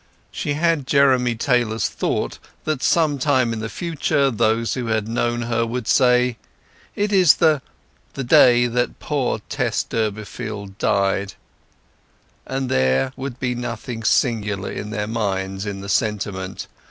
She had Jeremy Taylor's thought that some time in the future those who had known her would say: "It is the ——th, the day that poor Tess Durbeyfield died"; and there would be nothing singular to their minds in the statement.